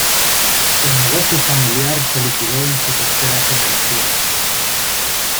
El negocio familiar se liquidó en su tercera generación.